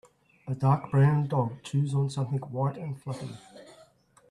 A dark brown dog chews on something white and fluffy.